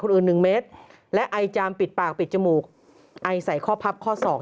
อื่นหนึ่งเมตรและไอจามปิดปากปิดจมูกไอใส่ข้อพับข้อสอง